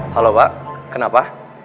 halo pak kenapa